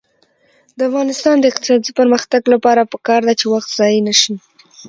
د افغانستان د اقتصادي پرمختګ لپاره پکار ده چې وخت ضایع نشي.